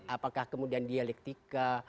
apakah kemudian dialektika